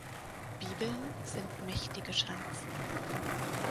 Bibeln sind mächtige Schanzen.